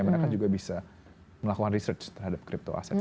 dan juga bisa melakukan research terhadap crypto aset ini